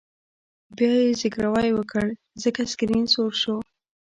بیا یې زګیروی وکړ ځکه سکرین سور شو